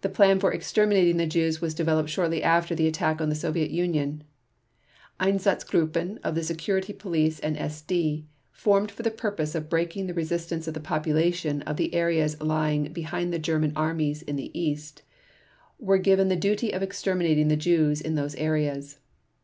The plan for exterminating the Jews was developed shortly after the attack on the Soviet Union. Einsatzgruppen of the Security Police and SD, formed for the purpose of breaking the resistance of the population of the areas lying behind the German armies in the East, were given the duty of exterminating the Jews in those areas.